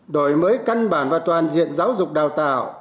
đổi mới căn bản và toàn diện giáo dục đào tạo